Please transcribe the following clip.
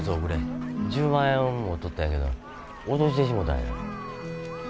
１０万円持っとったんやけど落としてしもたんや。